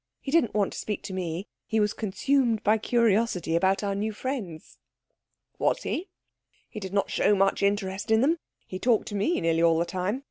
He didn't want to speak to me. He was consumed by curiosity about our new friends." "Was he? He did not show much interest in them. He talked to me nearly all the time.